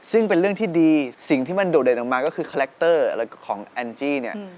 ซึ่งเป็นเรื่องที่ดีสิ่งที่มันโดดเด่นออกมาก็คือคาแรคเตอร์ของแอนจี้เนี่ย